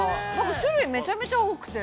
種類めちゃくちゃ多くて。